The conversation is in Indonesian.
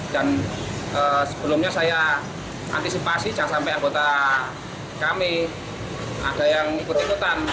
dan sebelumnya saya antisipasi jangan sampai anggota kami ada yang ikut ikutan